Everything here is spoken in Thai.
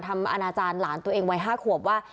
ทำอาณาจารย์หลานตัวเองไว้ห้าขวบว่า